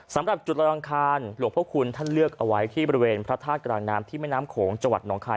สำหรับจุดละอังคารหลวงพระคุณท่านเลือกเอาไว้ที่บริเวณพระธาตุกลางน้ำที่แม่น้ำโขงจังหวัดหนองคาย